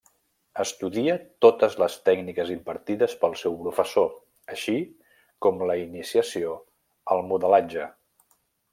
Estudia totes les tècniques impartides pel seu professor, així com la iniciació al modelatge.